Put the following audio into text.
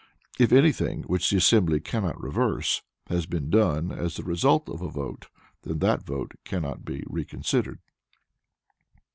If anything which the assembly cannot reverse, has been done as the result a vote, then that vote cannot be reconsidered.